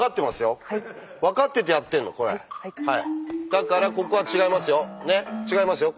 だからここは違いますよ。